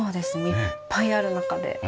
いっぱいある中で。